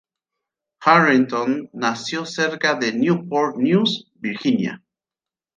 Harrington nació cerca de Newport News, Virginia.